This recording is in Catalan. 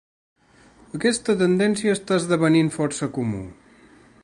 Aquesta tendència està esdevenint força comú.